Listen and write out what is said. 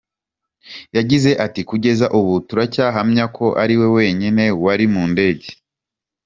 Yagize ati: "Kugeza ubu, turahamya ko ari we wenyine wari mu ndege.